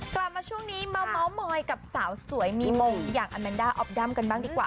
กลับมาช่วงนี้มาม้าวหมอยกับสาวสวยมีหม่นนี้อยากอัมแมนดาออฟดัมกันบ้างดีกว่า